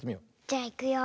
じゃいくよ。